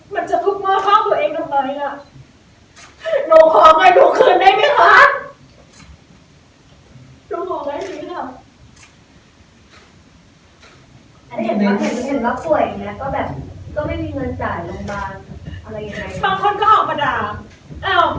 มันจะทุกข์มอบคาวตัวเองทำไม